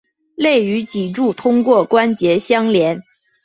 肋与脊柱通过关节相连。